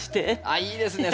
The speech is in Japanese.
あっいいですね。